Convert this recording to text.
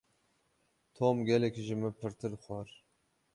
Tom gelekî ji min pirtir xwar.